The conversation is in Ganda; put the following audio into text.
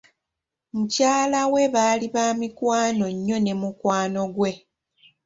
Mukyala we baali ba mikwano nnyo ne mukwano gwe.